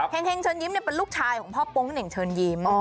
เฮงเฮงเชิญยิ้มเนี่ยเป็นลูกชายของพ่อปุ้งกันเน่งเชิญยิ้ม